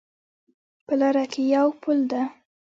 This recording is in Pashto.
په لاره کې یو پل ده